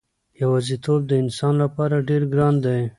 یوازېتوب د انسان لپاره ډېر ګران دی.